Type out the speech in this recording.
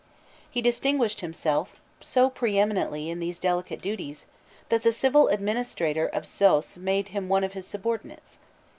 He distinguished himself so pre eminently in these delicate duties, that the civil administrator of Xoïs made him one of his subordinates.